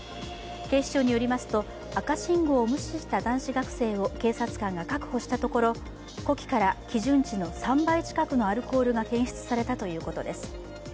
警視庁によりますと、赤信号を無視した男子学生を警察官が確保したところ呼気から基準値の３倍近くのアルコールが検出されたということです。